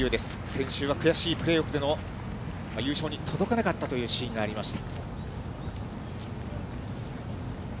先週は悔しいプレーオフでの優勝に届かなかったというシーンがありました。